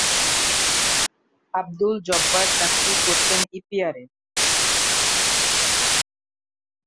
আবদুল জব্বার চাকরি করতেন ইপিআরে।